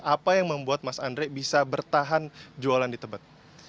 apa yang membuat mas andre bisa bertahan jualan di tebet